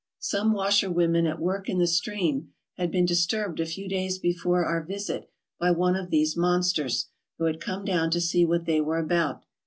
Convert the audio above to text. Some washerwomen at work in the stream had been disturbed a few days before our visit by one of these monsters, who had come down to see what they were about.